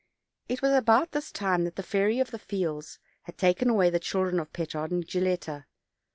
It was about this time that the Fairy of the Fields had taken away the children of Petard and Gilletta.